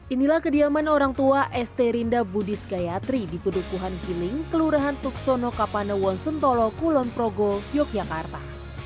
inilah kediaman orang tua st rinda budis gayatri di pedukuhan kiling kelurahan tuksono kapanewonsentolo kulonprogo yogyakarta